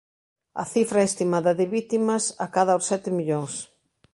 A cifra estimada de vítimas acada os sete millóns.